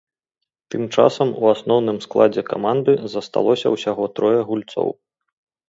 Тым часам у асноўным складзе каманды засталося ўсяго трое гульцоў.